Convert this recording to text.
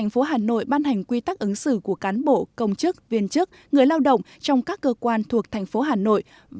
và quy tắc ứng xử của cán bộ công chức viên chức người lao động trong các cơ quan thuộc thành phố hà nội